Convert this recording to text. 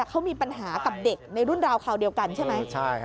เขามีปัญหากับเด็กในรุ่นราวคราวเดียวกันใช่ไหม